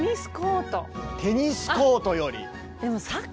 テニスコートより？